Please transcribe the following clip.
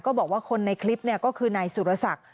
ก็บอกว่าคนในคลิปนี้ก็คือในนายสุรสัก